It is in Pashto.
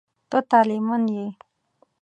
ته طالع من یې.